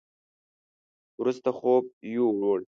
وروسته خوب يوووړ.